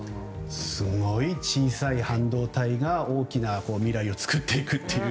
すごい小さい半導体が大きな未来を作っていく。